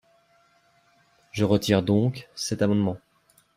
Je retire donc cet amendement.